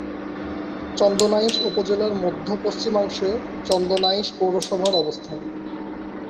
চন্দনাইশ উপজেলার মধ্য-পশ্চিমাংশে চন্দনাইশ পৌরসভার অবস্থান।